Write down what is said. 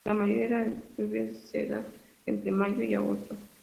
La mayoría de las lluvias se dan entre mayo y agosto.